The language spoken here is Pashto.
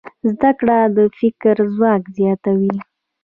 زده کړه د فکر ځواک زیاتوي.